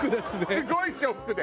すごいショックで。